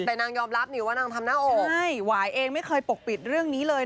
แต่นางยอมรับนี่ว่านางทำหน้าอกใช่หวายเองไม่เคยปกปิดเรื่องนี้เลย